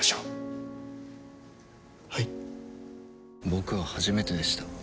僕は初めてでした。